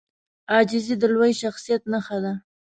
عاجزي د لوی شخصیت نښه ده.